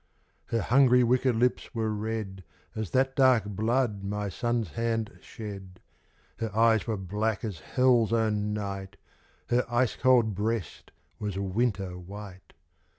Her hungry, wicked lips were red As that dark blood my son's hand shed ; Her eyes were black as Hell's own night, Her ice cold breast was winter white.